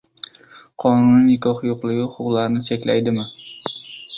"Qonuniy nikoh yo`qligi huquqlarni cheklaydimi?"